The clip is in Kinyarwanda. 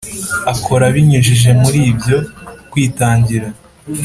akora abinyujije muri, byo kwitangira